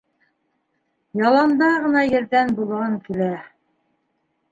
Ялан да ғына ерҙән болан килә